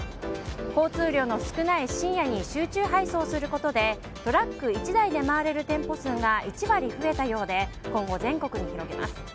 交通量の少ない深夜に集中配送することでトラック１台で回れる店舗数が１割増えたようで今後、全国に広げます。